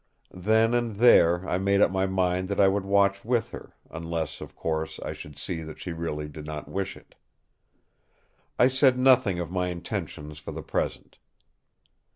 Then and there I made up my mind that I would watch with her—unless, of course, I should see that she really did not wish it. I said nothing of my intentions for the present.